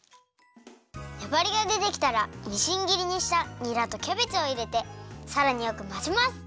ねばりがでてきたらみじんぎりにしたにらとキャベツをいれてさらによくまぜます。